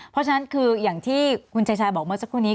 เพราะฉะนั้นคืออย่างที่คุณชายบอกเมื่อสักครู่นี้